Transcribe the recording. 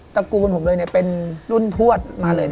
ระกูลผมเลยเป็นรุ่นทวดมาเลย